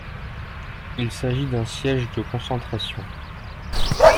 Il s'agit d'un siège de concentration.